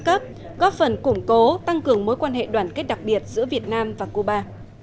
cấp góp phần củng cố tăng cường mối quan hệ đoàn kết đặc biệt giữa việt nam và cuba